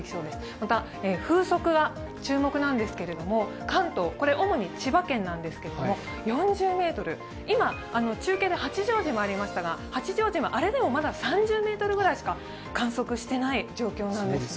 また、風速が注目なんですけれども関東、主に千葉県ですが４０メートル、今中継で八丈島がありましたがあれでもまだ３０メートルしか観測していない状況なんですね。